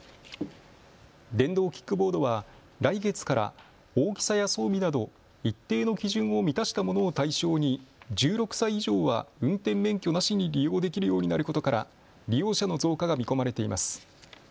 電動キックボードは来月から大きさや装備など一定の基準を満たしたものを対象に１６歳以上は運転免許なしに利用できるようになることから利用者の増加が見込まれています。